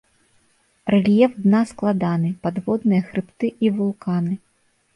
Рэльеф дна складаны, падводныя хрыбты і вулканы.